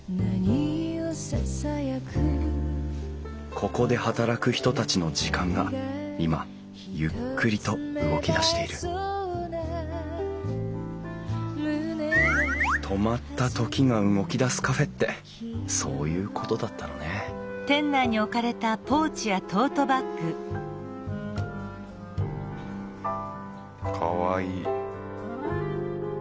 ここで働く人たちの時間が今ゆっくりと動き出している「止まった時が動き出すカフェ」ってそういうことだったのねかわいい。